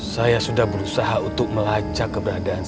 saya sudah berusaha untuk melacak keberadaan